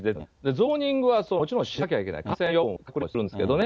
ゾーニングはもちろんしなきゃいけない、感染予防も隔離もするんですけどね。